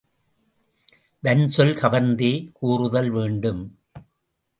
வன்சொல் கவர்ந்தே கூறுதல் வேண்டும்.